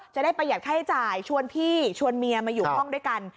ประหยัดค่าใช้จ่ายชวนพี่ชวนเมียมาอยู่ห้องด้วยกัน